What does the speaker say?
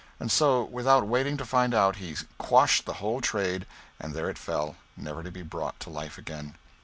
and so, without waiting to find out, he quashed the whole trade, and there it fell, never to be brought to life again.